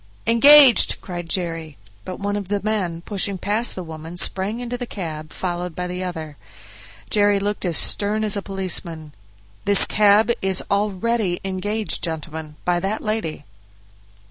"Engaged," cried Jerry; but one of the men, pushing past the woman, sprang into the cab, followed by the other. Jerry looked as stern as a policeman. "This cab is already engaged, gentlemen, by that lady."